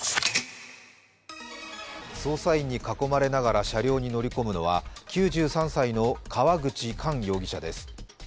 捜査員に囲まれながら車両に乗り込むのは、９３歳の川口寛容疑者です